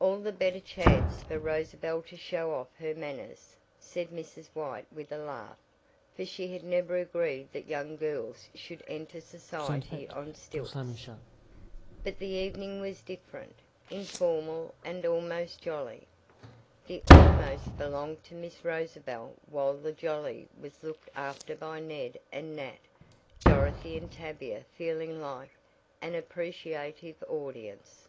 "All the better chance for Rosabel to show off her manners," said Mrs. White with a laugh, for she had never agreed that young girls should enter society on stilts. But the evening was different, informal and almost jolly. (The "almost" belonged to Miss Rosabel while the "jolly" was looked after by Ned and Nat, Dorothy and Tavia feeling like an appreciative audience.)